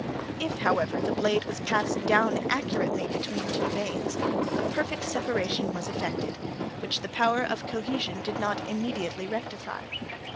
If, however, the blade was passed down accurately between the two veins, a perfect separation was effected, which the power of cohesion did not immediately rectify.